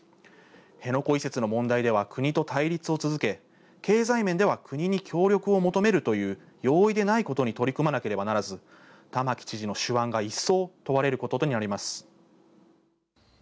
辺野古移設の問題では国と対立を続け、経済面では国に協力を求めるという容易でないことに取り組まなければならず玉城知事の手腕が一層、問われることになります。